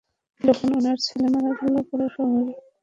যখন উনার ছেলে মারা গেল, পুরো শহর ক্রোধে ফুঁসছিল।